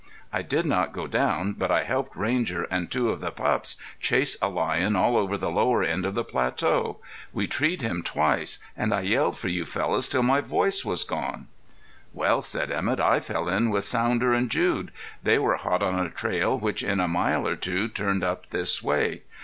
I did not go down but I helped Ranger and two of the pups chase a lion all over the lower end of the plateau. We treed him twice and I yelled for you fellows till my voice was gone." "Well," said Emett, "I fell in with Sounder and Jude. They were hot on a trail which in a mile or two turned up this way.